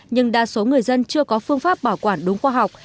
nhưng đa số người dân chưa có phương pháp bảo quản đúng khoa học